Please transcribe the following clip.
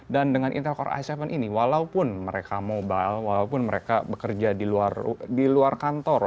dan dengan intel core i tujuh ini walaupun mereka mobile walaupun mereka bekerja di luar kantor